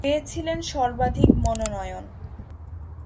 পেয়েছিলেন সর্বাধিক মনোনয়ন।